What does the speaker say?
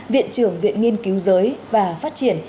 viện trưởng viện nghiên cứu giới và phát triển